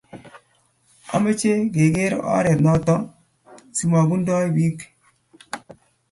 Ameche ke ker oret noto simobundoe biik